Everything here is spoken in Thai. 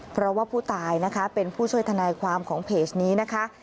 เพราะว่าผู้ตายนะคะเป็นผู้ช่วยทนายความของเพจนี้นะคะ